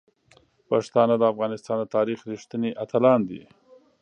پښتانه د افغانستان د تاریخ رښتیني اتلان دي.